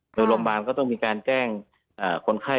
โดยโรงพยาบาลก็ต้องมีการแจ้งคนไข้